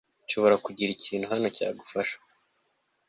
nshobora kugira ikintu hano cyagufasha